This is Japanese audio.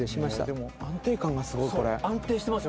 でも安定感がすごいこれ。